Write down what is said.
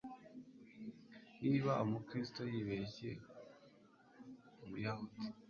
niba umukristo yibeshye umuyahudi